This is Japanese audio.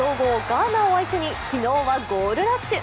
ガーナを相手に昨日はゴールラッシュ。